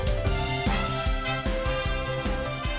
โปรดติดตามตอนต่อไป